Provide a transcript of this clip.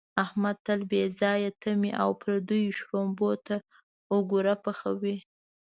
احمد تل بې ځایه تمې او پردیو شړومبو ته اوګره پحوي.